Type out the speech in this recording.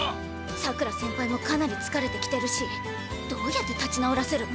佐倉先輩もかなり疲れてきてるしどうやって立ち直らせるん？